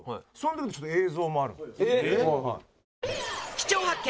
貴重発見！